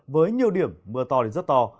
với nhiều điểm mưa to đến rất to